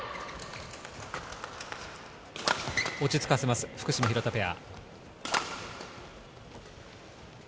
落ち着かせます、福島・廣田ペア。